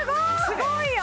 すごいよ！